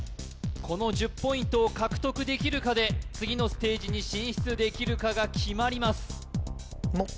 この１０ポイントを獲得できるかで次のステージに進出できるかが決まります